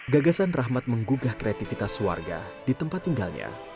gagasan rahmat menggugah kreativitas warga di tempat tinggalnya